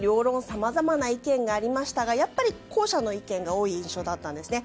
さまざまな意見がありましたがやっぱり、後者の意見が多い印象だったんですね。